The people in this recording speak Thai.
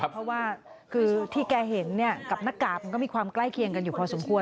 เพราะว่าคือที่แกเห็นกับหน้ากากมันก็มีความใกล้เคียงกันอยู่พอสมควร